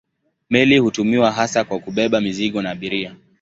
Meli hutumiwa hasa kwa kubeba mizigo na abiria.